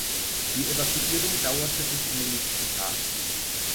Die Evakuierung dauerte bis in den nächsten Tag.